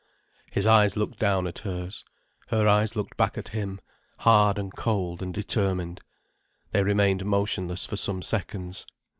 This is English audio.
His eyes looked down at hers. Her eyes looked back at him, hard and cold and determined. They remained motionless for some seconds.